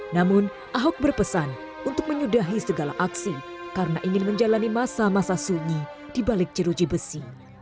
namun ahok berpesan untuk menyudahi segala aksi karena ingin menjalani masa masa sunyi di balik jeruji besi